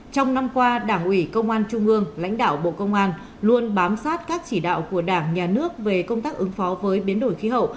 trong năm qua đảng ủy công an trung ương lãnh đạo bộ công an luôn bám sát các chỉ đạo của đảng nhà nước về công tác ứng phó với biến đổi khí hậu